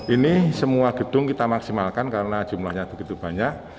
ini semua gedung kita maksimalkan karena jumlahnya begitu banyak